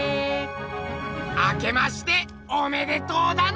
あけましておめでとうだな！